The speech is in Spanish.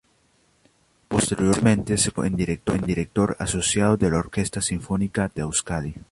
Posteriormente, se convirtió en director asociado de la Orquesta Sinfónica de Euskadi.